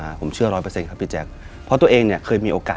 ถ้าคือความเชื่อของผมเองจากประสบการณ์ตัวเองที่เคยเจอมา